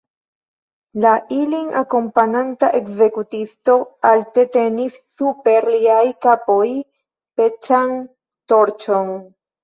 La ilin akompananta ekzekutisto alte tenis super iliaj kapoj peĉan torĉon.